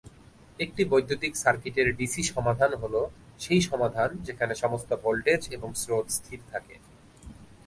একটি বৈদ্যুতিক সার্কিটের ডিসি সমাধান হল সেই সমাধান যেখানে সমস্ত ভোল্টেজ এবং স্রোত স্থির থাকে।